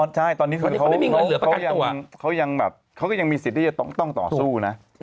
ใช่ตอนนี้เขาไม่มีเงินเหลือประกันตัวเขายังแบบเขาก็ยังมีสิทธิ์ที่จะต้องต่อสู้นะ